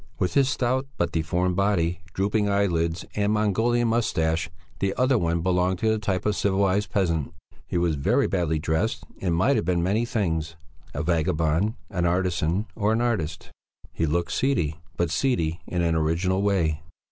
With his stout but deformed body, drooping eyelids, and Mongolian moustache, the other one belonged to the type of civilized peasant. He was very badly dressed and might have been many things: a vagabond, an artisan, or an artist; he looked seedy, but seedy in an original way.